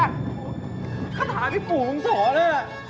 จะป่าพี่ปู่หลุงสอนน่ะ